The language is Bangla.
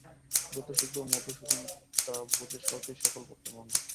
যত শীঘ্র মধুসূদন তা বোঝে ততই সকল পক্ষের মঙ্গল।